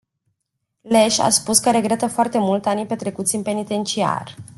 Lesch a spus că regretă foarte mult anii petrecuți în penitenciar.